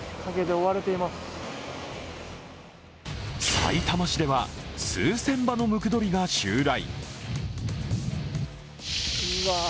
さいたま市では数千羽のムクドリが襲来。